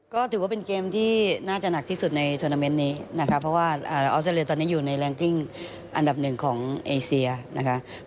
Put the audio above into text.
ก็ถือว่าเป็นเกมที่น่าจะหนักที่สุดในทวนาเมนต์นี้นะคะเพราะว่าออสเตรเลียตอนนี้อยู่ในแรงกิ้งอันดับหนึ่งของเอเซียนะคะ